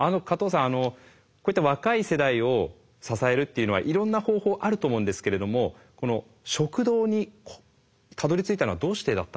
こういった若い世代を支えるっていうのはいろんな方法あると思うんですけれどもこの食堂にたどりついたのはどうしてだったんですか？